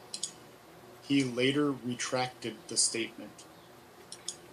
He later retracted the statement.